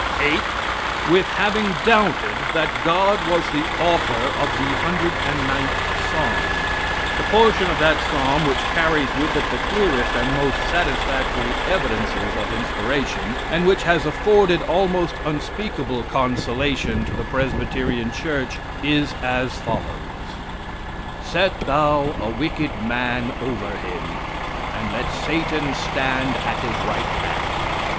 Eighth. With having doubted that God was the author of the 109th Psalm. The portion of that Psalm which carries with it the clearest and most satisfactory evidences of inspiration, and which has afforded almost unspeakable consolation to the Presbyterian church, is as follows: "Set thou a wicked man over him; and let Satan stand at his right hand.